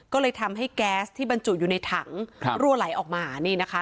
ก็เลยทำให้แก๊สที่บรรจุอยู่ในถังรั่วไหลออกมา